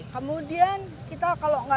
kemudian kita kalau nggak